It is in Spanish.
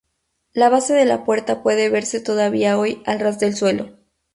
La base de la puerta puede verse todavía hoy al ras del suelo.